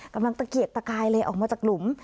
ตะเกียกตะกายเลยออกมาจากหลุม